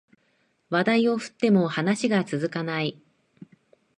話題を振っても話が続かない